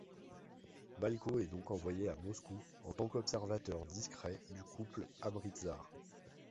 Malko est donc envoyé à Moscou en tant qu'observateur discret du couple Amritzar.